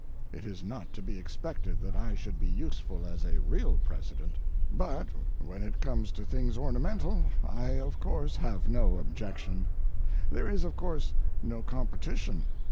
It is not to be expected that I should be useful as a real president. But when it comes to things ornamental I, of course, have no objection. There is, of course, no competition.